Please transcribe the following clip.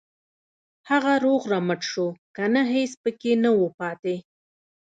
هغه روغ رمټ شو کنه هېڅ پکې نه وو پاتې.